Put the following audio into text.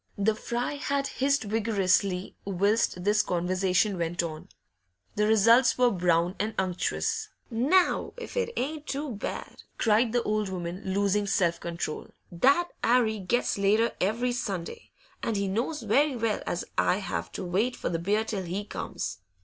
The fry had hissed vigorously whilst this conversation went on; the results were brown and unctuous. 'Now, if it ain't too bad!' cried the old woman, losing self control. 'That 'Arry gets later every Sunday, and he knows very well as I have to wait for the beer till he comes.